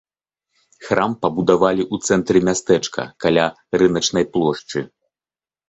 Храм пабудавалі ў цэнтры мястэчка, каля рыначнай плошчы.